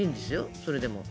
それでも。